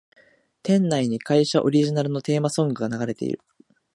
店内に会社オリジナルのテーマソングが流れてる